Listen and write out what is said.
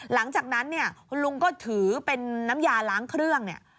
หลังจากนั้นคุณลุงก็ถือเป็นน้ำยาล้างเครื่อง